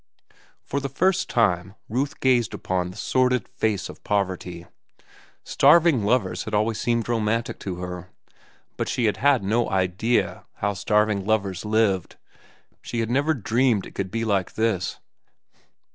For the first time Ruth gazed upon the sordid face of poverty. Starving lovers had always seemed romantic to her,—but she had had no idea how starving lovers lived. She had never dreamed it could be like this.